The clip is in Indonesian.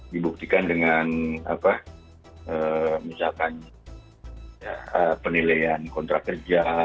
dibuktikan dengan misalkan penilaian kontrak kerja